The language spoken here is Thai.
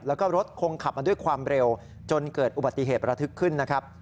แล้วก็รถคงขับมาด้วยความเร็วจนเกิดอุบัติเหตุระทึกขึ้นนะครับ